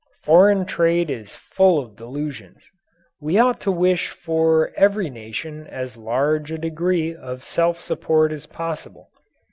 Foreign trade is full of delusions. We ought to wish for every nation as large a degree of self support as possible.